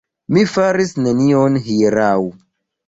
Mi faris nenion hieraŭ.